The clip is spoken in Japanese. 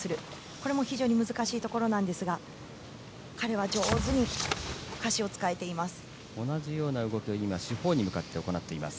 これも非常に難しいところですが彼は上手に下肢を使えています。